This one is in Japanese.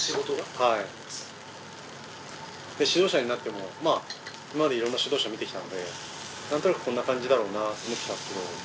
はい指導者になっても今まで色んな指導者見てきたので何となくこんな感じだろうなと思ってたんですけど